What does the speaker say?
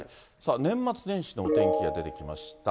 年末年始のお天気が出てきました。